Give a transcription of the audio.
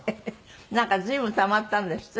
なんか随分たまったんですって？